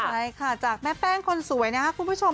ใช่ค่ะจากแม่แป้งคนสวยนะครับคุณผู้ชม